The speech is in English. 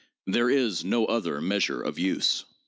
There is no other measure of use.